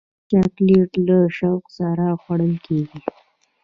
چاکلېټ له شوق سره خوړل کېږي.